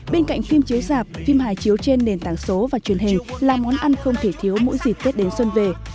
bên cạnh phim chiếu dạp phim hài chiếu trên nền tảng số và truyền hình là món ăn không thể thiếu mỗi dịp tết đến xuân về